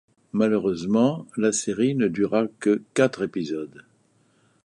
Malheureusement, la série ne dura que quatre épisodes.